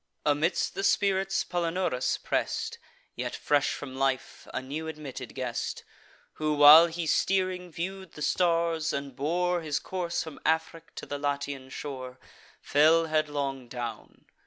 Amidst the spirits, Palinurus press'd, Yet fresh from life, a new admitted guest, Who, while he steering view'd the stars, and bore His course from Afric to the Latian shore, Fell headlong down.